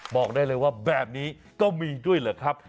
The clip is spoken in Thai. บอกได้เลยว่าแบบนี้ก็มีด้วยเหรอครับ